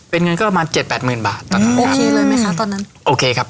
เป็นเงินก็ประมาณเจ็ดแปดหมื่นบาทตอนนั้นครับ